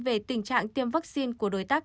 về tình trạng tiêm vaccine của đối tác